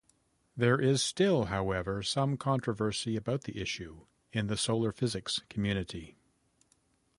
There is still however some controversy about the issue in the solar physics community.